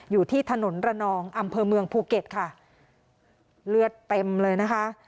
อยู่ที่ถนนระนองอำเภอเมืองภูเก็ตค่ะเลือดเต็มเลยนะคะ